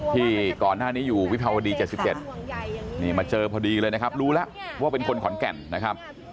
ที่ก่อนหน้านี้อยู่วิภาวดี๗๗นี่มาเจอพอดีเลยนะครับรู้แล้วว่าเป็นคนขอนแก่นนะครับ